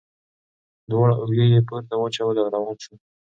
دواړه اوږې یې پورته واچولې او روان شو.